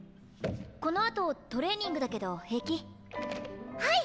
この後トレーニングだけど平気？はいっ！